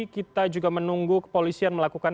kita juga menunggu kepolisian melakukan